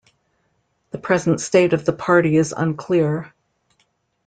The present state of the party is unclear.